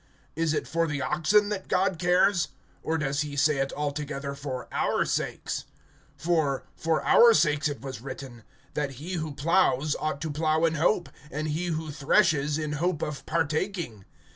Is it for the oxen that God cares? (10)Or does he say it altogether for our sakes? For, for our sakes it was written; that he who plows ought to plow in hope; and he who threshes, in hope of partaking.